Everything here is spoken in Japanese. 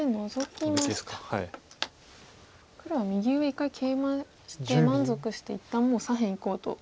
黒は右上一回ケイマして満足して一旦もう左辺いこうと。